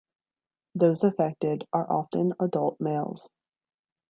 Those affected are often adult males.